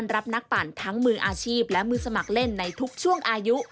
รับนักปั่นทั้งมืออาชีพและมือสมัครเล่นในทุกช่วงอายุ